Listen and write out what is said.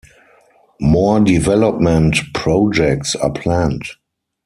More development projects are planned.